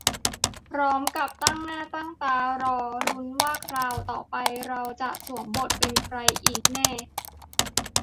พร้อมกับตั้งหน้าตั้งตารอลุ้นว่าคราวต่อไปเราจะสวมบทเป็นใครอีกแน่